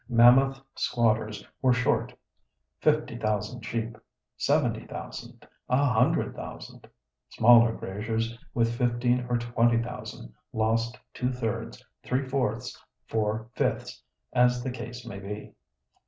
Mammoth squatters were short—fifty thousand sheep—seventy thousand—a hundred thousand. Smaller graziers with fifteen or twenty thousand, lost two thirds, three fourths, four fifths, as the case may be.